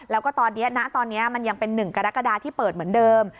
แล้วก็ตอนนี้ณตอนนี้มันยังเป็น๑กรกฎาที่เปิดเหมือนเดิม